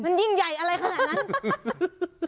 มันยิ่งใหญ่อะไรขนาดนั้น